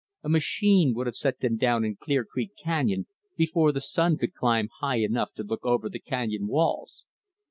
A machine would have set them down in Clear Creek Canyon before the sun could climb high enough to look over the canyon walls.